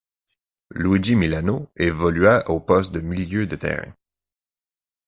Luigi Milano évolua au poste de milieu de terrain.